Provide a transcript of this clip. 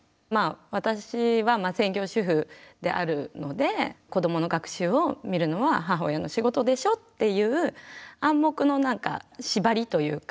私は専業主婦であるので子どもの学習を見るのは母親の仕事でしょっていう暗黙のなんか縛りというか。